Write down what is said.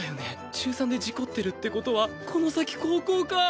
中３で事故ってるって事はこの先高校か。